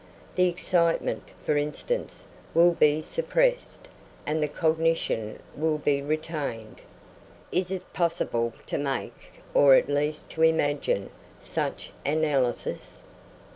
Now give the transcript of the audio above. The excitement, for instance, will be suppressed, and the cognition will be retained. Is it possible to make, or at least to imagine, such an analysis?